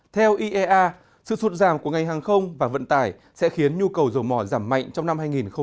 theo iea sự sụt giảm của ngành hàng không và vận tải sẽ khiến nhu cầu dầu mỏ giảm mạnh trong năm hai nghìn hai mươi